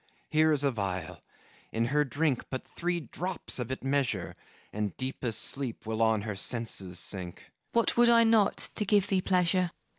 Here is a phial: in her drink But three drops of it measure, And deepest sleep will on her senses sink. MARGARET What would I not, to give thee pleasure?